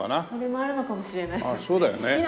ああそうだよね。